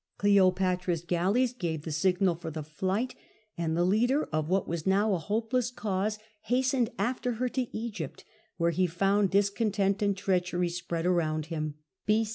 Cleopatra's galleys gave the signal '' for the flight, and the leader of what was now a hopeless cause hastened after her to Egypt, where he found dis content and treachery spread around him.